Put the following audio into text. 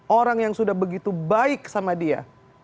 orang yang sudah begitu baik sama dia